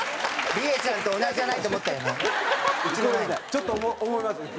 ちょっと思いました。